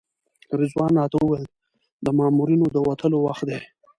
رضوان راته وویل د مامورینو د وتلو وخت دی.